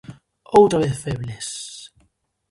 Outra vez febles...